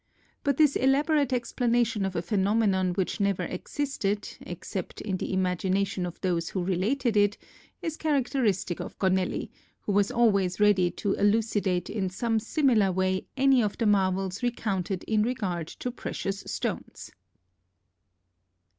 But this elaborate explanation of a phenomenon which never existed except in the imagination of those who related it is characteristic of Gonelli, who was always ready to elucidate in some similar way any of the marvels recounted in regard to precious stones.